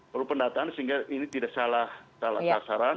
perlu pendataan sehingga ini tidak salah sasaran